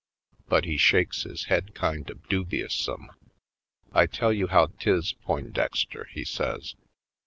But he shakes his head kind of dubi ousome. *'I tell you how 'tis, Poindexter," he says.